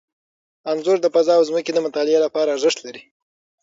انځور د فضا او ځمکې د مطالعې لپاره ارزښت لري.